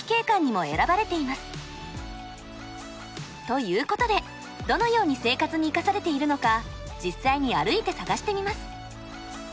ということでどのように生活に生かされているのか実際に歩いて探してみます。